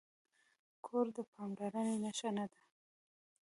کور د پاملرنې نښه ده.